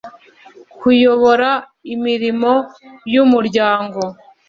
kuyobora imirimo y umuryango